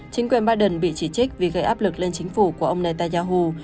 chính quyền biden bị chỉ trích vì gây áp lực lên chính phủ của ông netanyahu